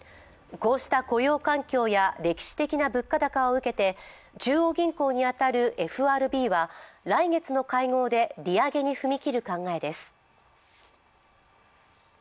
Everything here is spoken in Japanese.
こうした雇用環境や歴史的な物価高を受けて中央銀行に当たるＦＲＢは、来月の会合で利上げに踏み切る考えです。